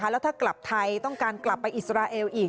แล้วถ้ากลับไทยต้องการกลับไปอิสราเอลอีก